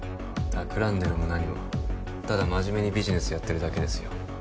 企んでるも何もただ真面目にビジネスやってるだけですよ